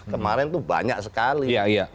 kemarin itu banyak sekali